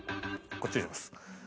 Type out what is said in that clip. こっちにします。